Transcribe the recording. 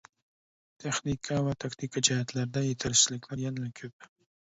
تېخنىكا ۋە تاكتىكا جەھەتلەردە يېتەرسىزلىكلەر يەنىلا كۆپ.